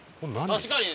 確かに。